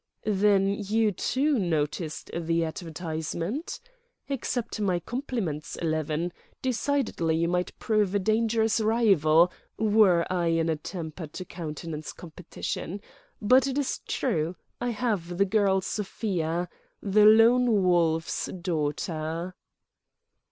"Then you, too, noticed the advertisement? Accept my compliments, Eleven. Decidedly you might prove a dangerous rival—were I in a temper to countenance competition.... But it is true: I have the girl Sofia—the Lone Wolf's daughter."